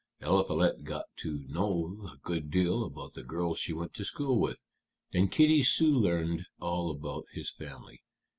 Eliphalet got to know a good deal about the girls she went to school with; and Kitty soon learned all about his family.